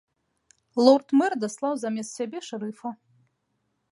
Лорд-мэр даслаў замест сябе шэрыфа.